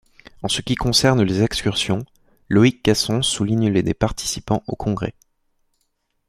En ce qui concerne les excursions, Loïc Casson souligne les des participants aux congrès.